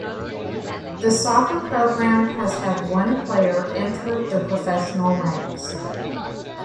The soccer program has had one player enter the professional ranks.